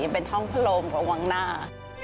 เป็นห้องพระโลมของวังหน้า